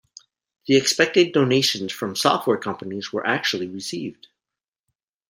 The expected donations from software companies were actually received.